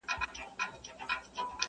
چي مي ستونی په دعا وو ستړی کړی٫